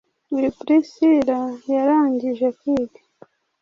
uyu Priscilla yarangije kwiga